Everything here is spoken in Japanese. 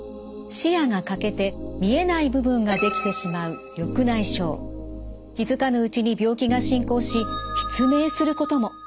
視野が欠けて見えない部分が出来てしまう気付かぬうちに病気が進行し失明することも。